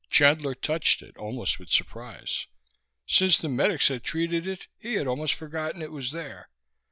Chandler touched it, almost with surprise. Since the medics had treated it he had almost forgotten it was there.